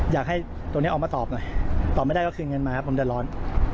อยากให้ตัวนี้ออกมาตอบหน่อยตอบไม่ได้ก็คืนเงินมาครับผมเดือดร้อน